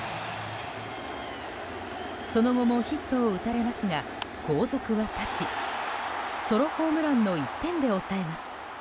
その後もヒットを打たれますが後続を断ちソロホームランの１点で抑えます。